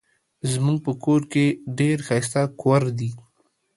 زمونږ په کور کې ډير ښايسته کوور دي